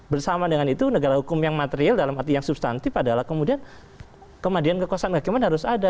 bersama dengan itu negara hukum yang material dalam arti yang substantif adalah kemudian kemandian kekuasaan kehakiman harus ada